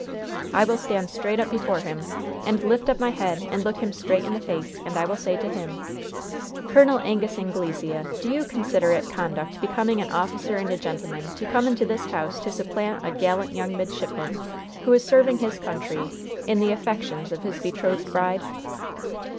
I will stand straight up before him and lift up my head and look him straight in the face, and I will say to him: "'Col. Angus Anglesea, do you consider it conduct becoming an officer and a gentleman to come into this house to supplant a gallant young midshipman, who is serving his country, in the affections of his betrothed bride?'"